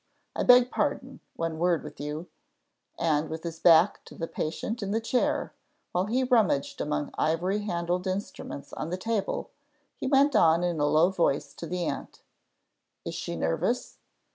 I beg pardon one word with you," and with his back to the patient in the chair, while he rummaged among ivory handled instruments on the table, he went on in a low voice to the aunt "Is she nervous?